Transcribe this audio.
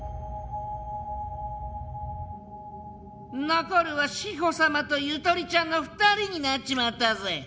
残るは志法様とゆとりちゃんの２人になっちまったぜ！